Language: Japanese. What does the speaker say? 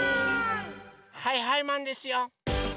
はいはいマンですよ！